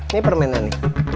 nih permennya nih